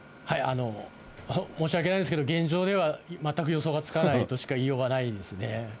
申し訳ないんですけど、現状では全く予想がつかないとしか言いようがないですね。